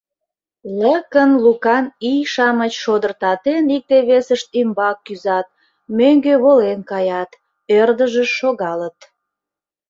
Лыкын-лукан ий-шамыч шодыртатен икте-весышт ӱмбак кӱзат, мӧҥгӧ волен каят, ӧрдыжыш шогалыт.